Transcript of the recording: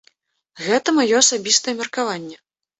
Гэта маё асабістае меркаванне.